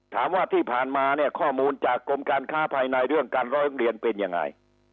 ถามว่าที่ผ่านมาเนี่ยข้อมูลจากกรมการค้าภายในเรื่องการร้องเรียนเป็นยังไง